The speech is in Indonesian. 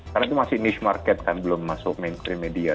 karena itu masih niche market kan belum masuk mainstream media